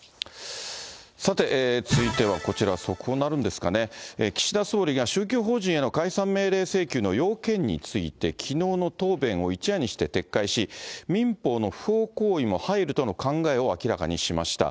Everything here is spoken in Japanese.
さて、続いては速報になるんですかね、岸田総理が宗教法人への解散命令請求の要件について、きのうの答弁を一夜にして撤回し、民法の不法行為も入るとの考えを明らかにしました。